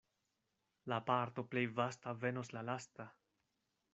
La parto plej vasta venos la lasta.